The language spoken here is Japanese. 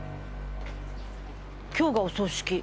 今日がお葬式。